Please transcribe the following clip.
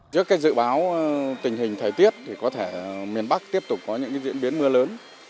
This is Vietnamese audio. trước dự báo tình hình thời tiết miền bắc có thể tiếp tục có những diễn biến mưa lớn